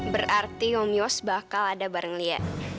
berarti om yos bakal ada bareng lia